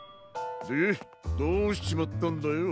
でどうしちまったんだよ。